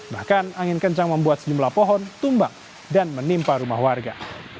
bahkan angin kencang membuat sejumlah pohon tumbang dan menimpa rumah warga